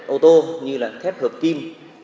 ô tô như là thép hợp kim